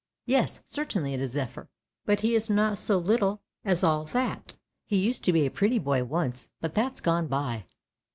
" Yes, certainly it is Zephyr, but he is not so little as all that. He used to be a pretty boy once, but that's gone by!